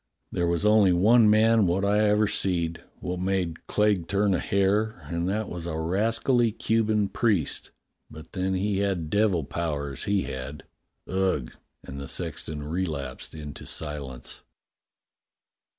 There was only one man wot I ever seed wot made Clegg turn a hair, and that was a rascally Cuban priest, but then he had devil powers, he had. Ugh!" And the sexton relapsed into silence.